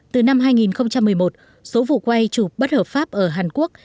từ năm hai nghìn một mươi một số vụ quay chụp bất hợp pháp ở hàn quốc